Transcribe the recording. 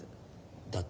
だって。